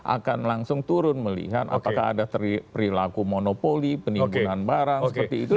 akan langsung turun melihat apakah ada perilaku monopoli penimbunan barang seperti itu